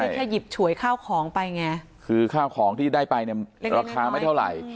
แค่หยิบฉวยข้าวของไปไงคือข้าวของที่ได้ไปเนี่ยราคาไม่เท่าไหร่